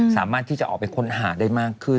สามารถที่จะออกไปค้นหาได้มากขึ้น